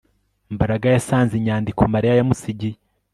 Mbaraga yasanze inyandiko Mariya yamusigiye